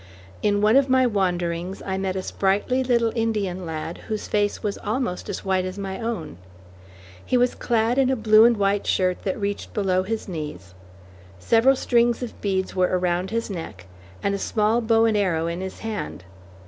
In one of my wanderings I met a sprightly little Indian lad, whose face was almost as white as my own. He was clad in a blue and white shirt that reached below his knees. Several strings of beads were around his neck, and a small bow and arrow in his hand.